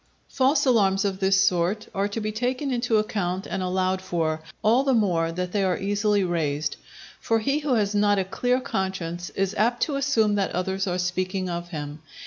False alarms of this sort are to be taken into account and allowed for, all the more that they are easily raised. For he who has not a clear conscience is apt to assume that others are speaking of him.